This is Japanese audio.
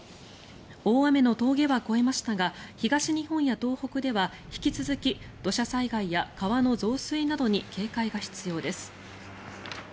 大雨の峠は越えましたが東日本や東北では引き続き土砂災害や川の増水などに警戒が必要です。